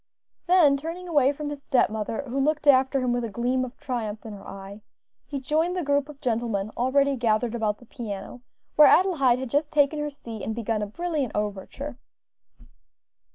Then turning away from his step mother, who looked after him with a gleam of triumph in her eye, he joined the group of gentlemen already gathered about the piano, where Adelaide had just taken her seat and begun a brilliant overture.